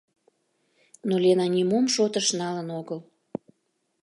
Но Лена нимом шотыш налын огыл.